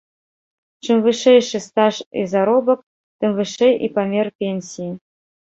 Чым вышэйшы стаж і заробак, тым вышэй і памер пенсіі.